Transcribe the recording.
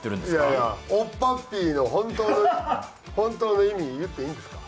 いやいやおっぱっぴーの本当の本当の意味言っていいんですか？